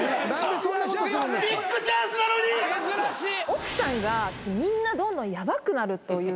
奥さんがみんなどんどんヤバくなるというか。